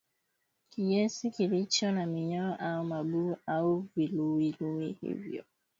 kinyesi kilicho na minyoo au mabuu au viluwiluwi hivyo